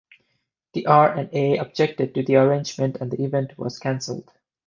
The R and A objected to the arrangement and the event was cancelled.